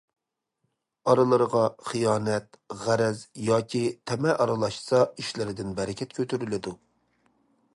ئارىلىرىغا خىيانەت، غەرەز ياكى تەمە ئارىلاشسا، ئىشلىرىدىن بەرىكەت كۆتۈرۈلىدۇ.